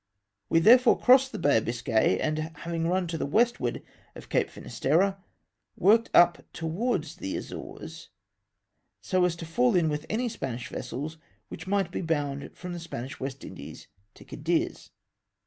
We therefore crossed the Bay of Biscay, and having run to the westward of Cape Finisterre, ivorked up towards the Azores, so as to fall in with any vessels which might be bound from the Spanish West Indies to Cadiz.